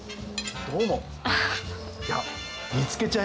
どうも。